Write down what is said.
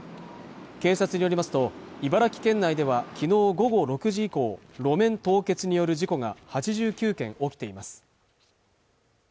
警察によりますと茨城県内ではきのう午後６時以降路面凍結による事故が８９件起きています